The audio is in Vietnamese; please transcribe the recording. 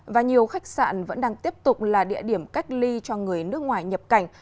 và nhiều khách sạn vẫn đang tiếp tục là địa điểm cách ly cho người nước ngoài nhập cảnh